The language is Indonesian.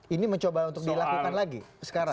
ini mencoba untuk dilakukan lagi sekarang